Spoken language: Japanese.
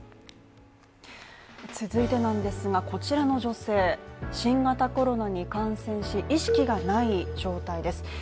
続いてなんですが、こちらの女性新型コロナに感染し、意識がない状態です。